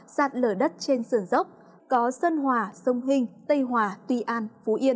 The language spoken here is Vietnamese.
sạt lở đất trên sườn dốc có sơn hòa sông hinh tây hòa tuy an phú yên